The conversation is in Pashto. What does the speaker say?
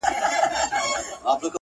سیاه پوسي ده د مړو ورا ده _